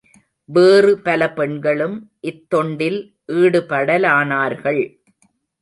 வேறு பல பெண்களும், இத்தொண்டில் ஈடுபடலானார்கள்.